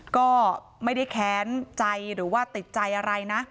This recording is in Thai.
ก็ไม่ได้แค้นใจหรือว่าติดใจอะไรนะ